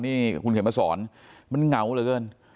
นี่คุณเขียนมาสอนมันเหงาเหลือเกิน